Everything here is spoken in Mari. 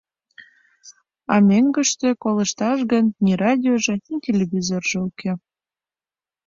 А мӧҥгыштӧ колышташ гын, ни радиожо, ни телевизоржо уке.